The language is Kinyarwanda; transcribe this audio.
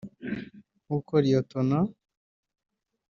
nk’uko Lt